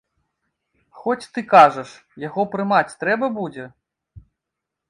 Хоць ты кажаш, яго прымаць трэба будзе?